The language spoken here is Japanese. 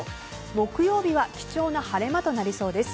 木曜日は貴重な晴れ間となりそうです。